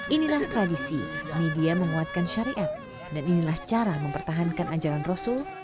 inilah tradisi media menguatkan syariat dan inilah cara mempertahankan ajaran rasul